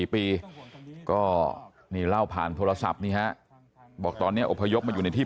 ๔ปีก็นี่เล่าผ่านโทรศัพท์นี่ฮะบอกตอนนี้อพยพมาอยู่ในที่